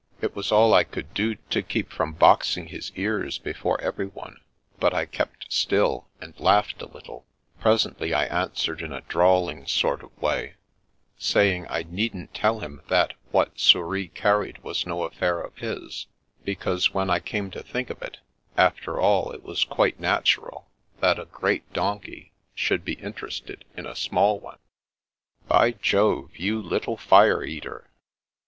It was all I could do to keep from boxing his ears, before every one, but I kept still, and laughed a little; presently I answered in a drawling sort of way, saying I needn't tdl him that what Souris carried was no affair of his, because when I came to think of it, after all it was quite natural that a great donkey should be interested in a small one." " By Jove, you little fire eater!